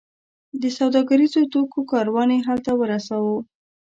د سوداګریزو توکو کاروان یې هلته ورساوو.